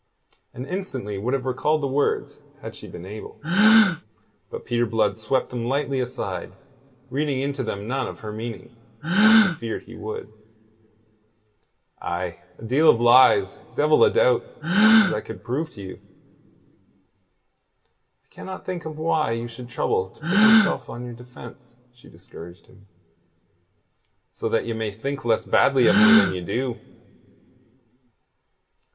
And instantly would have recalled the words had she been able. But Peter Blood swept them lightly aside, reading into them none of her meaning, as she feared he would. "Aye a deal of lies, devil a doubt, as I could prove to you." "I cannot think why you should trouble to put yourself on your defence," she discouraged him. "So that ye may think less badly of me than you do."